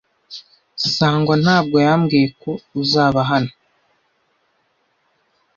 Sangwa ntabwo yambwiye ko uzaba hano.